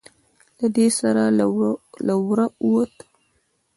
له دې سره له وره ووت.